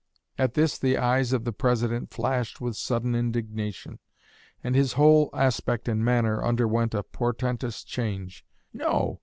At this the eyes of the President flashed with sudden indignation, and his whole aspect and manner underwent a portentous change. 'No!'